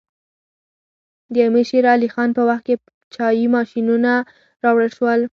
د امیر شیر علی خان په وخت کې چاپي ماشینونه راوړل شول.